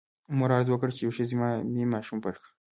مور عرض وکړ چې یوې ښځې مې ماشوم پټ کړی.